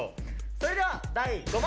それでは第５問。